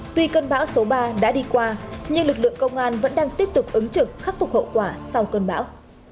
tuy cơn bão số ba đã đi qua nhưng lực lượng công an vẫn đang tiếp tục ứng trực khắc phục hậu quả sau cơn bão